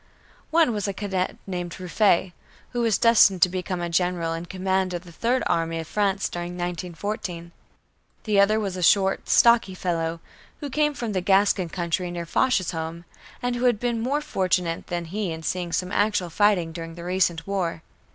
One was a cadet named Ruffey, who was destined to become a General, in command of the Third Army of France, during 1914. The other was a short, stocky fellow, who came from the Gascon country near Foch's home, and who had been more fortunate than he in seeing some actual fighting during the recent war.